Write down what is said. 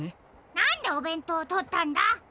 なんでおべんとうをとったんだ！？